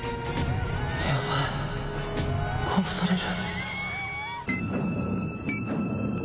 ヤバい殺される